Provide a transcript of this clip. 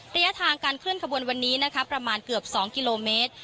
ระยะทางการเคลื่อนขบวนวันนี้นะคะประมาณเกือบ๒กิโลเมตร